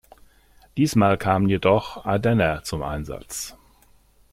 Diesmal kamen jedoch Ardenner zum Einsatz.